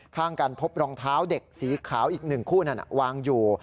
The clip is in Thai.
ข้างกันพบรองเท้าเด็กสีขาวอีก๑คู่นั้นวางอยู่